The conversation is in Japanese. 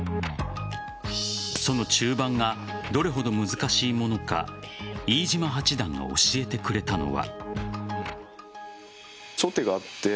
その中盤がどれほど難しいものか飯島八段が教えてくれたのは。